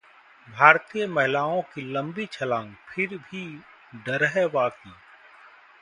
भारतीय महिलाओं की लम्बी छलांग फिर भी डर है बाकी